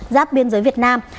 giáp biên giới việt nam